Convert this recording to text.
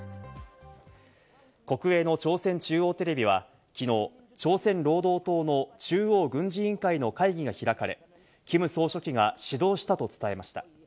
国営の朝鮮中央テレビは昨日、朝鮮労働党の中央軍事委員会の会議が開かれ、キム総書記が指導したと伝えました。